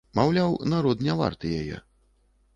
Маўляў, народ не варты яе.